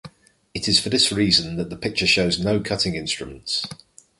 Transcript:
It is for this reason that the picture shows no cutting instruments.